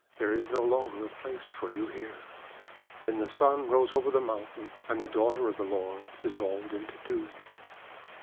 There is no longer a place for you here." Then the Sun rose over the mountain, and the Daughter of the Laurel dissolved into dew.